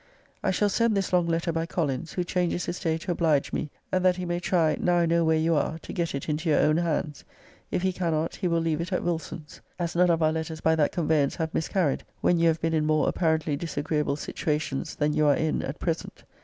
I shall send this long letter by Collins, who changes his day to oblige me; and that he may try (now I know where you are) to get it into your own hands. If he cannot, he will leave it at Wilson's. As none of our letters by that convey ance have miscarried when you have been in more apparently disagreeable situations than you are in at present.